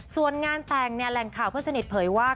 ส่วนงานแต่งแหล่งข่าวเพื่อนสนิทเผยว่า